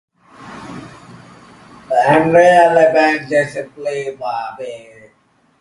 Henry always believed that his kidney and his recovery came about through Escriva's intercession.